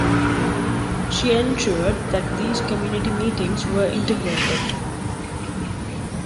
She ensured that these Community Meetings were integrated.